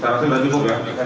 saya rasa sudah cukup ya